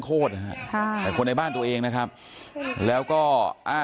ผู้ชมครับท่านผู้ชมครับท่าน